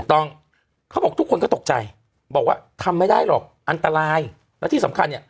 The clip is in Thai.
เขาบอกทุกคนก็ตกใจบอกว่าทำไม่ได้หรอกอันตรายแล้วที่สำคัญเนี่ย